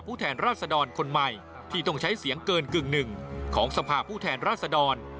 ผู้แทนรัฐบาลคนใหม่ที่ต้องใช้เสียงเกินกึ่งหนึ่งของสภาผู้แทนรัฐบาล